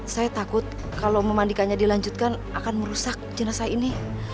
saya takut kalau memandikannya dilanjutkan akan merusak jenazah ini